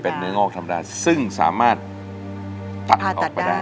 เนื้องอกธรรมดาซึ่งสามารถผัดออกไปได้